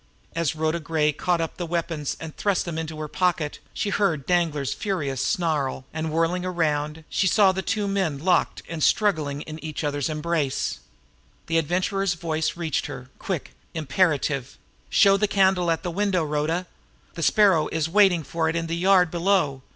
As Rhoda Gray caught up the weapons and thrust them into her pocket, she heard Danglar's furious snarl, and whirling around, she saw the two men locked and struggling in each other's embrace. The Adventurer's voice reached her, quick, imperative: "Show the candle at the window, Rhoda! The Sparrow is waiting for it in the yard below.